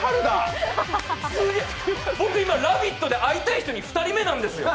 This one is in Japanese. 僕今、「ラヴィット！」で会いたい人２人目なんですよ。